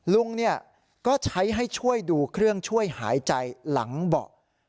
ลุงก็ใช้ให้ช่วยดูเครื่องช่วยหายใจหลังเบาะ